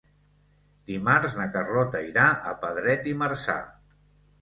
Dimarts na Carlota irà a Pedret i Marzà.